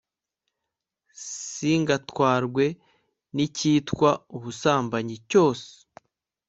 singatwarwe n'icyitwa ubusambanyi cyose